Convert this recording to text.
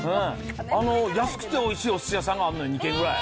安くておいしいおすし屋さんがあるのよ、２軒ぐらい。